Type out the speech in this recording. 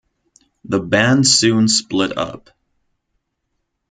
The band soon split up.